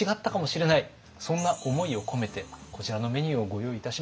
そんな思いを込めてこちらのメニューをご用意いたしました。